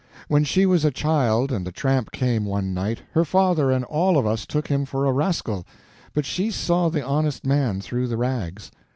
When she was a child and the tramp came one night, her father and all of us took him for a rascal, but she saw the honest man through the rags.